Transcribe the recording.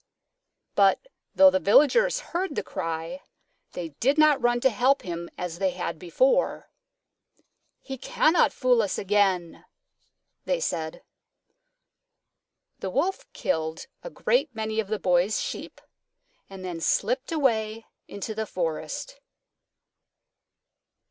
But though the Villagers heard the cry, they did not run to help him as they had before. "He cannot fool us again," they said. The Wolf killed a great many of the Boy's sheep and then slipped away into the forest.